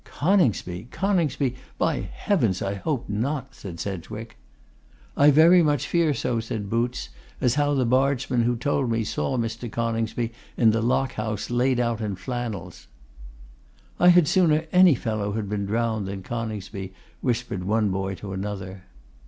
'Coningsby, Coningsby! By Heavens I hope not,' said Sedgwick. 'I very much fear so,' said Boots; 'as how the bargeman who told me saw Mr. Coningsby in the Lock House laid out in flannels.' 'I had sooner any fellow had been drowned than Coningsby,' whispered one boy to another.